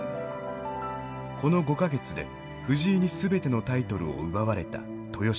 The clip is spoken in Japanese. この５か月で藤井に全てのタイトルを奪われた豊島。